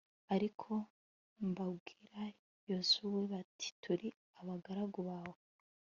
ariko babwira yozuwe bati turi abagaragu bawe